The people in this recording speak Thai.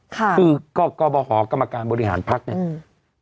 คือก็บอกกับกรรมการบริหารพรักเนี่ย